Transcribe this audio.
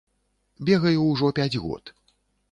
Бегаю ўжо пяць год.